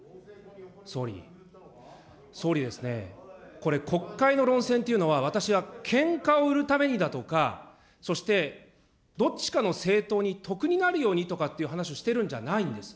総理、総理ですね、これ、国会の論戦というのは、私はけんかを売るためにだとか、そしてどっちかの政党に得になるようにという話をしてるわけじゃないんです。